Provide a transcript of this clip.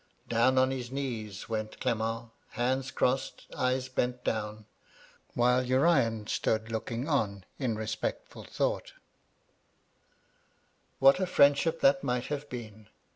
Down on his knees went F 2 100 MY LADY LUDLOW. Clement, bands crossed, eyes bent down : wbile Urian stood looking on in respectful thought. "Wbat a friendsbip that might have been!